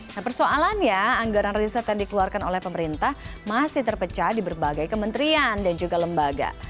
nah persoalannya anggaran riset yang dikeluarkan oleh pemerintah masih terpecah di berbagai kementerian dan juga lembaga